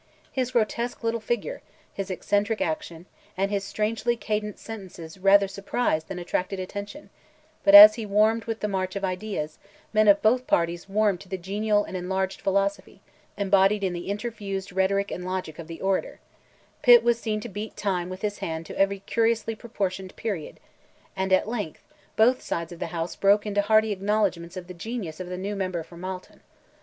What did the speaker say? His grotesque little figure, his eccentric action, and his strangely cadenced sentences rather surprised than attracted attention, but as he warmed with the march of ideas, men of both parties warmed to the genial and enlarged philosophy, embodied in the interfused rhetoric and logic of the orator; Pitt was seen to beat time with his hand to every curiously proportioned period, and at length both sides of the House broke into hearty acknowledgments of the genius of the new member for Malton.